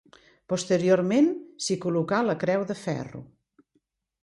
Posteriorment s'hi col·locà la creu de ferro.